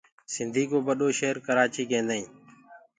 سنٚڌي ڪو ٻڏو شير ڪرآچيٚ ڪينٚدآئينٚ